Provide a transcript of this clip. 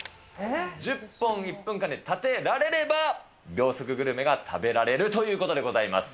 １０本１分間に立てられれば、秒速グルメが食べられるというこ１０本。